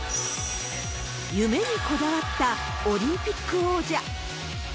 夢にこだわったオリンピック王者。